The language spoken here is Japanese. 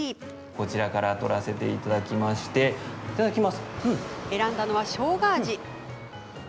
こちらから取らせていただきまして選んだのはしょうが味。